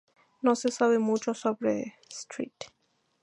No se sabe mucho sobre St.